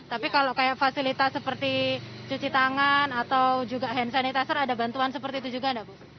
tapi kalau kayak fasilitas seperti cuci tangan atau juga hand sanitizer ada bantuan seperti itu juga nggak bu